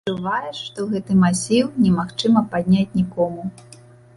Адчуваеш, што гэты масіў немагчыма падняць нікому.